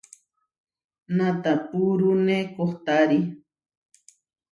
Natapúrune kohtári.